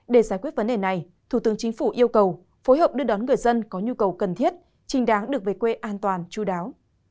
để giải quyết vấn đề này thủ tướng chính phủ yêu cầu phối hợp đưa đón người dân có nhu cầu cần thiết trình đáng được về quê an toàn chú đáo